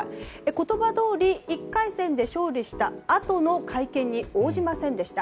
言葉どおり１回戦で勝利したあとの会見に応じませんでした。